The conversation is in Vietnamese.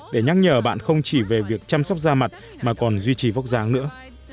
để nhắc nhở bạn không chỉ về việc chăm sóc da mặt mà còn duy trì vóc dáng nữa